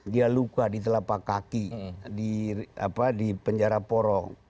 dia luka di telapak kaki di penjara porong